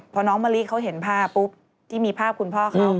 พอน้องมะลิเขาเห็นภาพปุ๊บที่มีภาพคุณพ่อเขา